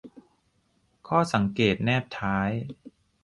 ข้อสังเกตแนบท้าย